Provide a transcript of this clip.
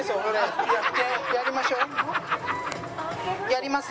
やります？